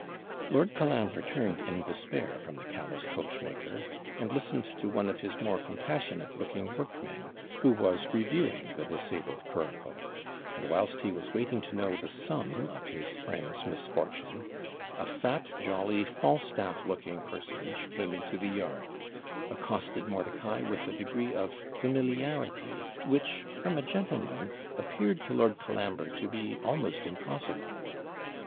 Lord Colambre turned in despair from the callous coach maker, and listened to one of his more compassionate looking workmen, who was reviewing the disabled curricle; and, whilst he was waiting to know the sum of his friend's misfortune, a fat, jolly, Falstaff looking personage came into the yard, accosted Mordicai with a degree of familiarity, which, from a gentleman, appeared to Lord Colambre to be almost impossible.